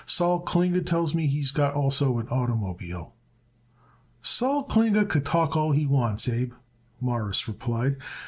Sol Klinger tells me he's got also an oitermobile." "Sol Klinger could talk all he wants, Abe," Morris replied.